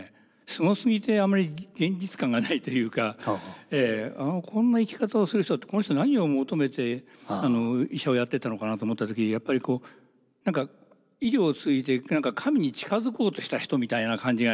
すごすぎてあんまり現実感がないというかこんな生き方をする人ってこの人何を求めて医者をやってたのかなと思った時やっぱり何か医療を通じて何か神に近づこうとした人みたいな感じがしてしまってですね